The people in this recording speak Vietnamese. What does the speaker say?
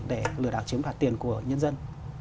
để lừa đảo chiếm đoạt tiền của nhân dân